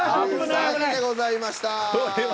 １３位でございました。